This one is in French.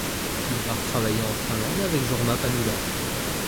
Il part travailler en Finlande, avec Jorma Panula.